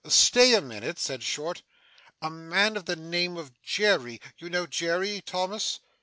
'Stay a minute,' said Short. 'A man of the name of Jerry you know Jerry, Thomas?